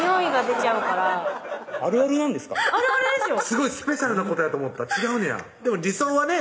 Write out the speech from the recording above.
すごいスペシャルなことやと思った違うねやでも理想はね